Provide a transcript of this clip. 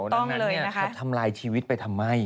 ดังนั้นจะทำลายชีวิตไปทำไม